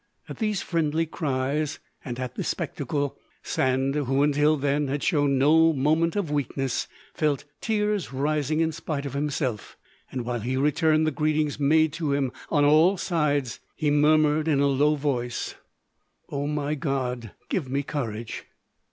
At these friendly cries and at this spectacle, Sand, who until then had shown no moment of weakness, felt tears rising in spite of himself, and while he returned the greetings made to him on all sides, he murmured in a low voice, "O my God, give me courage!"